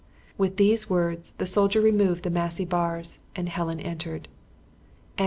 With these words, the soldier removed the massy bars, and Helen entered.